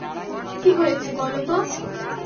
কী হয়েছে বলো তো?